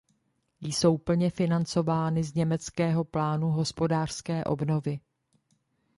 Jsou plně financovány z německého plánu hospodářské obnovy.